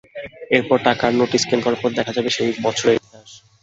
এরপর টাকার নোটটি স্ক্যান করার পর দেখা যাবে সেই বছরের ইতিহাস।